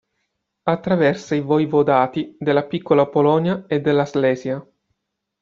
Attraversa i voivodati della Piccola Polonia e della Slesia.